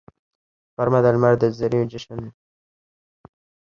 غرمه د لمر د زریو جشن وي